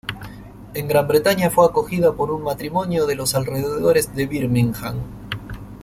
En Gran Bretaña fue acogida por un matrimonio de los alrededores de Birmingham.